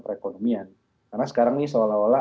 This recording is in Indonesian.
perekonomian karena sekarang ini seolah olah